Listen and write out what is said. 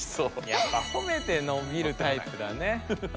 やっぱほめてのびるタイプだね。